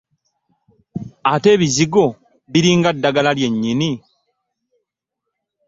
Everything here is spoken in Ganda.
Ate ebizigo biringa ddagala lyennyini.